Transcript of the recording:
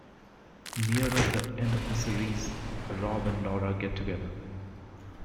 Nearer the end of the series, Rob and Laura get together.